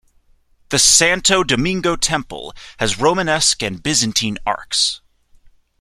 The Santo Domingo Temple has Romanesque and Byzantine arcs.